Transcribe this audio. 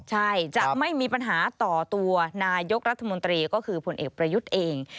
ใช่จะไม่มีปัญหาต่อตัวนายกรัฐมนตรีก็คือผลเอกประยุทธ์เอง